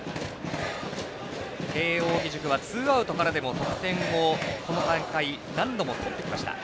慶応義塾はツーアウトからでも得点をこの大会何度も取ってきました。